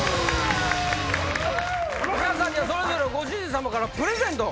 皆さんにはそれぞれご主人様からプレゼント